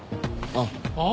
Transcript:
あっ。